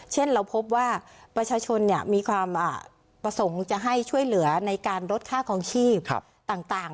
เช่นเราพบว่าประชาชนมีความประสงค์จะให้ช่วยเหลือในการลดค่าคลองชีพต่าง